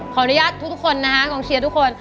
ขออนุญาตทุกคนนะฮะกองเชียร์ทุกคน